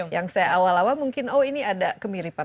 yang saya awal awal mungkin oh ini ada kemiripan